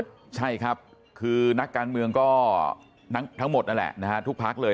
ถูกค่อยใช่ครับคือนักการเมืองก็ทั้งหมดนั่นแหละทุกภาครเลย